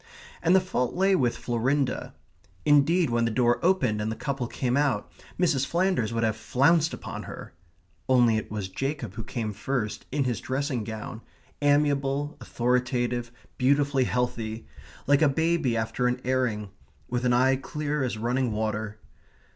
And the fault lay with Florinda. Indeed, when the door opened and the couple came out, Mrs. Flanders would have flounced upon her only it was Jacob who came first, in his dressing gown, amiable, authoritative, beautifully healthy, like a baby after an airing, with an eye clear as running water.